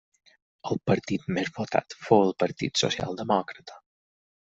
El partit més votat fou el Partit Socialdemòcrata.